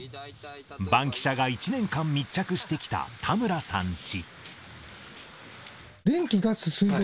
バンキシャが１年間密着してきた田村さんチ。